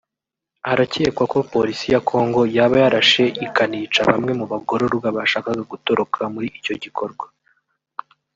Haracyekwa ko Polisi ya Congo yaba yarashe ikanica bamwe mu bagororwa bashakaga gutoroka muri icyo gikorwa